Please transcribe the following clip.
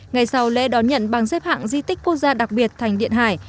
ngày sau lễ đón nhận bằng xếp hạng di tích quốc gia đặc biệt thành điện hải